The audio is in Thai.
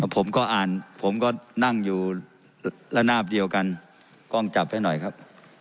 ผมก็อ่านผมก็นั่งอยู่ระนาบเดียวกันกล้องจับให้หน่อยครับ